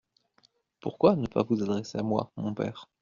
Pourquoi ne pas vous adresser à moi, mon père ?…